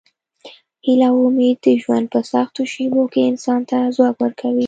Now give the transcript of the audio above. هیله او امید د ژوند په سختو شېبو کې انسان ته ځواک ورکوي.